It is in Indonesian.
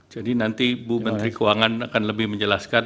nanti bu menteri keuangan akan lebih menjelaskan